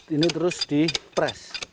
ini terus dipres